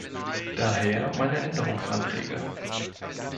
Daher meine Änderungsanträge.